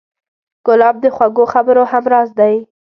ګلاب د خوږو خبرو همراز دی.